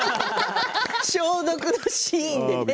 消毒のシーンでね。